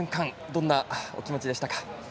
どんなお気持ちでしたか。